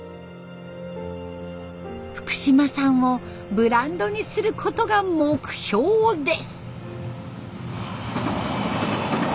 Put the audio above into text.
福島産をブランドにすることが目標です。